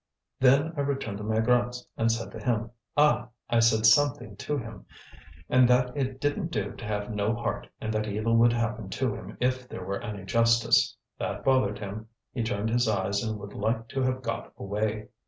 "Then I returned to Maigrat's, and said to him, ah, I said something to him! And that it didn't do to have no heart, and that evil would happen to him if there were any justice. That bothered him; he turned his eyes and would like to have got away."